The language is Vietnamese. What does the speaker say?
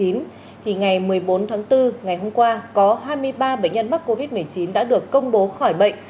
ngày một mươi bốn tháng bốn ngày hôm qua có hai mươi ba bệnh nhân mắc covid một mươi chín đã được công bố khỏi bệnh